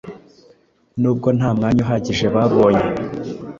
n’ubwo nta mwanya uhagije babonye